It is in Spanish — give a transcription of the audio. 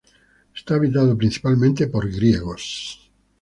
Está habitado principalmente por griegos.